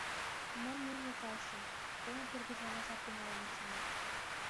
Мый мӧҥгӧ кайышым: Тоня тургыжланашат тӱҥалын, очыни.